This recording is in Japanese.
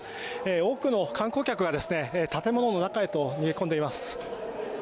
多くの観光客が建物の中へと逃げ込んでいます。